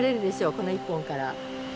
この１本から。